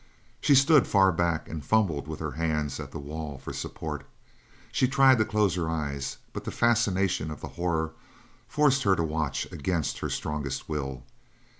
She stood far back and fumbled with her hands at the wall for support. She tried to close her eyes, but the fascination of the horror forced her to watch against her strongest will.